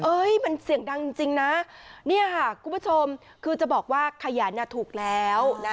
มันเสียงดังจริงนะเนี่ยค่ะคุณผู้ชมคือจะบอกว่าขยันถูกแล้วนะ